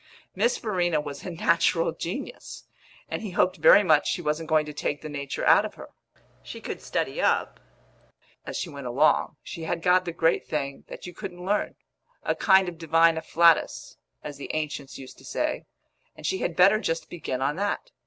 Miss Verena was a natural genius, and he hoped very much she wasn't going to take the nature out of her. She could study up as she went along; she had got the great thing that you couldn't learn, a kind of divine afflatus, as the ancients used to say, and she had better just begin on that.